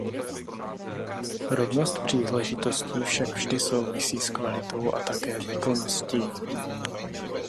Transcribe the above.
Rovnost příležitostí však vždy souvisí s kvalitou a také výkonností.